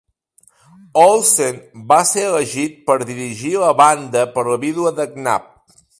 Olsen va ser elegit per dirigir la banda per la vídua de Knapp.